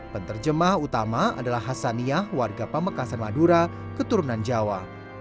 penterjemah utama adalah hassaniyah warga pemekasan madura keturunan jawa